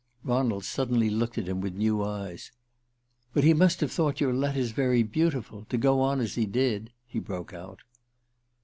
Ronald suddenly looked at him with new eyes. "But he must have thought your letters very beautiful to go on as he did," he broke out.